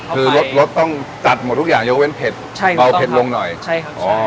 คือรสรสต้องจัดหมดทุกอย่างยกเว้นเผ็ดใช่ค่ะเบาเผ็ดลงหน่อยใช่ค่ะอ๋อ